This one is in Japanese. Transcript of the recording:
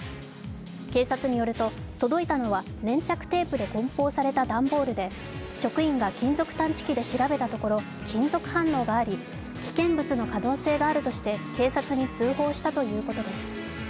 警察によると届いたのは粘着テープでこん包された段ボールで職員が金属探知機で調べたところ金属反応があり危険物の可能性があるとして警察に通報したということです。